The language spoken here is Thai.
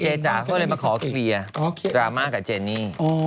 จ๋าก็เลยมาขอเคลียร์ดราม่ากับเจนี่